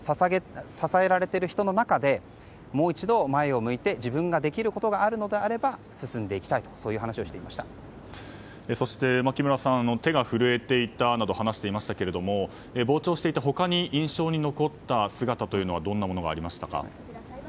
支えられている人の中でもう一度、前を向いて自分ができることがあるのであれば進んでいきたいという話をそして、木村さん手が震えていたと話していましたが傍聴していて、他に印象に残った姿というのはどんなものがありましたか？